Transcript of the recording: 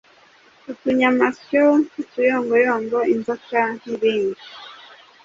utunyamasyo, uruyongoyongo, inzoka n’ibindi